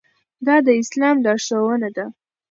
دا د اسلام لارښوونه ده.